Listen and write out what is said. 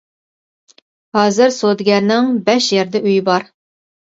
ھازىر سودىگەرنىڭ بەش يەردە ئۆيى بار.